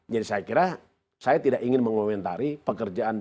jadi saya kira saya tidak ingin mengomentari pekerjaan